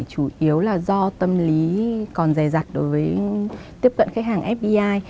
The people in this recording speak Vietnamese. chủ yếu là do tâm lý còn dài dặt đối với tiếp cận khách hàng fdi